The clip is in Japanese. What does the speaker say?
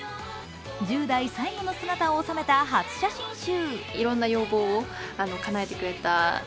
１０代最後の姿を収めた初写真集。